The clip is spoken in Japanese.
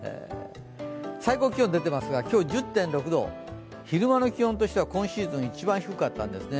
最高気温、出ていますが、今日１０．６度、昼間の気温としては今シーズン一番低かったんですね。